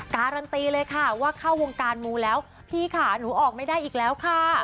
การันตีเลยค่ะว่าเข้าวงการมูแล้วพี่ค่ะหนูออกไม่ได้อีกแล้วค่ะ